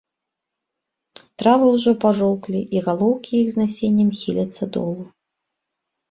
Травы ўжо пажоўклі, і галоўкі іх з насеннем хіляцца долу.